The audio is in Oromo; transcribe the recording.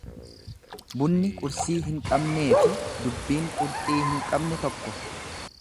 Bunni qursii hin qabneefi duubbiin qurxii hin qabne tokko.